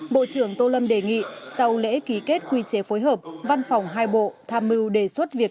bộ trưởng tô lâm đề nghị sau lễ ký kết quy chế phối hợp văn phòng hai bộ tham mưu đề xuất việc